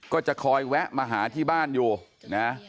ก็จะคอยแวะมาหาที่บ้านอยู่นะ